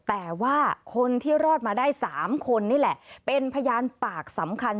แต่ว่าคนที่รอดมาได้๓คนนี่แหละเป็นพยานปากสำคัญ